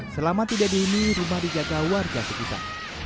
selama tiga hari ini rumah dijaga warga sekitar